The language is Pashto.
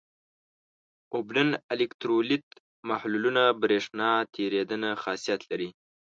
اوبلن الکترولیت محلولونه برېښنا تیریدنه خاصیت لري.